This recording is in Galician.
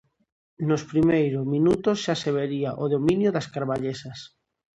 Nos primeiro minutos xa se vería o dominio das carballesas.